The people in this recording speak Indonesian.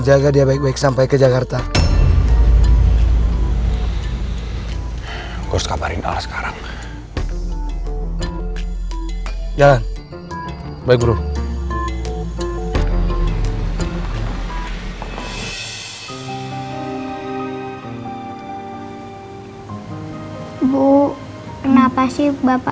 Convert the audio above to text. jangan lupa like share dan subscribe channel ini